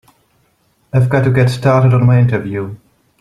I've got to get started on my interview.